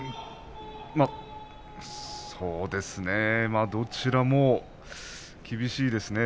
そうですねどちらも厳しいですね。